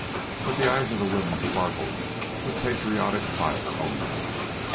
But the eyes of the women sparkled with patriotic fire only.